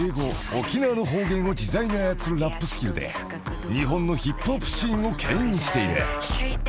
沖縄の方言を自在に操るラップスキルで日本のヒップホップシーンをけん引している］